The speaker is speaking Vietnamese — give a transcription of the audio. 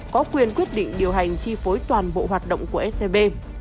có quyền quyết định điều hành chi phối toàn bộ hoạt động của scb